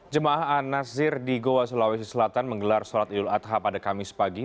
jemaah an nazir di goa sulawesi selatan menggelar sholat idul adha pada kamis pagi